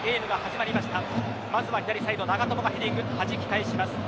まずは左サイド長友がヘディングではじき返します。